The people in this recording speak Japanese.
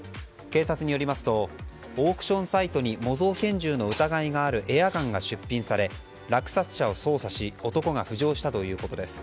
警察によりますとオークションサイトに模造拳銃の疑いがあるエアガンが出品され落札者を捜査し男が浮上したということです。